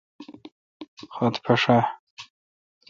خط پھݭ آ؟